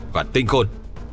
và tinh khôn